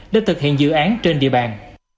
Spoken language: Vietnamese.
để thực hiện dự án trên địa bàn